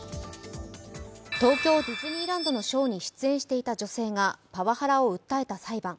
東京ディズニーランドのショーに出演していた女性がパワハラを訴えた裁判。